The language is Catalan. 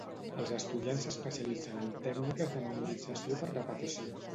Els estudiants s'especialitzen en tècniques de memorització per repetició.